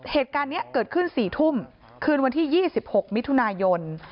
เหตุการณ์นี้เกิดขึ้น๔ทุ่มคืนวันที่๒๖มิถุนายน